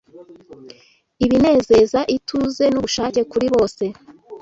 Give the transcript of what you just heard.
Ibinezeza ituze nubushake kuri bose